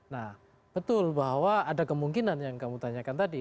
nah betul bahwa ada kemungkinan yang kamu tanyakan tadi